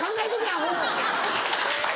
アホ。